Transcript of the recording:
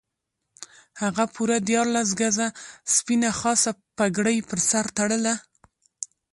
هغه پوره دیارلس ګزه سپینه خاصه پګړۍ پر سر تړله.